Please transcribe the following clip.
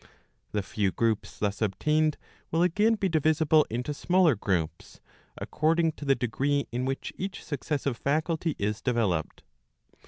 The few groups thus obtained will again be divisible into smaller groups, according to the degree in which each successive faculty is developed.